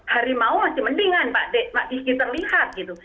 harimau masih mendingan pak diki terlihat gitu